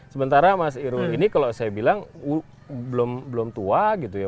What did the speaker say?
sementara mas irul ini kalau saya bilang belum tua gitu ya